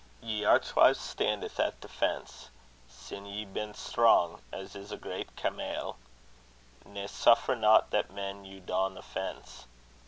Ye archewyves, standith at defence, Sin ye been strong, as is a great camayle; Ne suffer not that men you don offence.